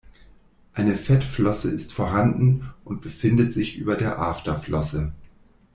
Eine Fettflosse ist vorhanden und befindet sich über der Afterflosse.